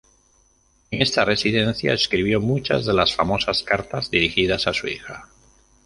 En esta residencia escribió muchas de las famosas cartas dirigidas a su hija.